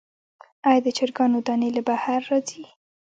آیا د چرګانو دانی له بهر راځي؟